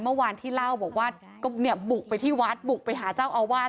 เมื่อวานที่เล่าบอกว่าก็เนี่ยบุกไปที่วัดบุกไปหาเจ้าอาวาส